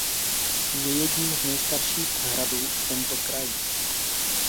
Je jedním z nejstarších hradů v tomto kraji.